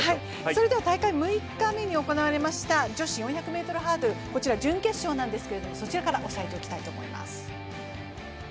それでは大会６日目に行われました女子４００ｍハードル、準決勝なんですけれどもそちらから押さえておきたいと思います。